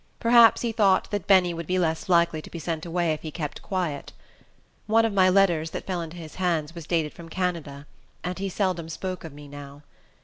Perhaps he thought that Benny would be less likely to be sent away if he kept quiet. One of my letters, that fell into his hands, was dated from Canada; and he seldom spoke of me now.